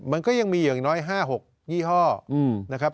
มันก็ยังมีอย่างน้อย๕๖ยี่ห้อนะครับ